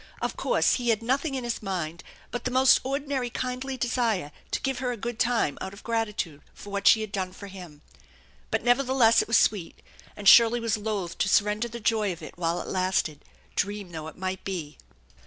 Of course, he had nothing in his mind but the most ordinary kindly desire to give her a good time out of gratitude for what she had done for him. But nevertheless it was sweet, and Shirley was loath to surrender the joy of it while it lasted, dream though it might be.